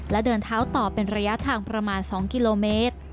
และเดินเท้าต่อเป็นระยะทางประมาณ๒กิโลเมตร